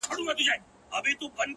ما دي د حُسن انتها ته سجده وکړه’